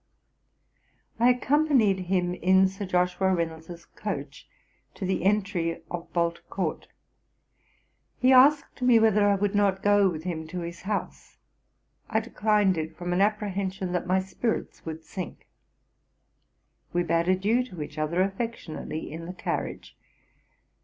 I accompanied him in Sir Joshua Reynolds's coach, to the entry of Bolt court. He asked me whether I would not go with him to his house; I declined it, from an apprehension that my spirits would sink. We bade adieu to each other affectionately in the carriage.